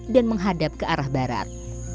dan menghadap ke arah barat